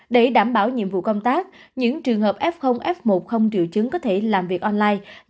để đảm bảo nhiệm vụ công tác những trường hợp f f một không triệu chứng có thể làm việc online